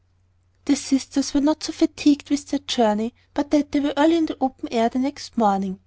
The sisters were not so fatigued with their journey but that they were early in the open air the next morning.